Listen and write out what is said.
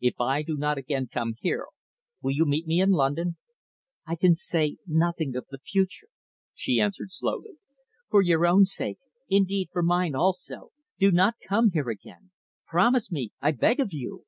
If I do not again come here, will you meet me in London?" "I can say nothing of the future," she answered slowly. "For your own sake indeed, for mine also do not come here again. Promise me, I beg of you."